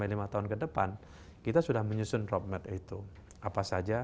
kurun waktu empat lima tahun ke depan kita sudah menyusun roadmap itu apa saja